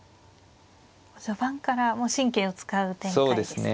序盤から神経を使う展開ですね。